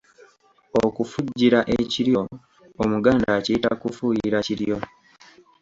Okufujjira ekiryo Omuganda akiyita kufuuyira kiryo.